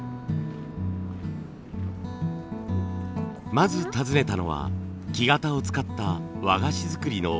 まず訪ねたのは木型を使った和菓子作りの体験教室です。